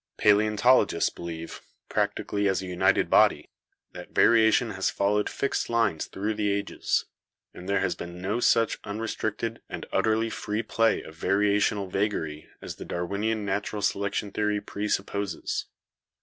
Paleontolo gists believe, practically as a united body, that variation has followed fixed lines through the ages; that there has been no such unrestricted and utterly free play of varia tional vagary as the Darwinian natural selection theory presupposes.